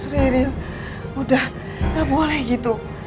udah gak boleh gitu